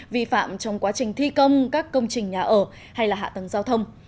vi phạm trong quá trình thi công các công trình nhà ở hay là hạ tầng giao thông